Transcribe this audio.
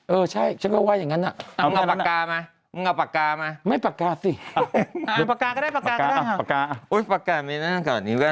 เออใช่ฉันก็ว่าอย่างนั้นน่ะ